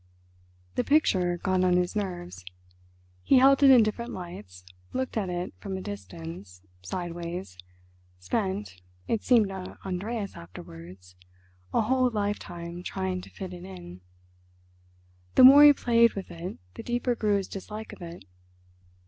The picture got on his nerves; he held it in different lights, looked at it from a distance, sideways, spent, it seemed to Andreas afterwards, a whole lifetime trying to fit it in. The more he played with it the deeper grew his dislike of it.